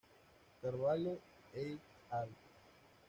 Carvalho "et al.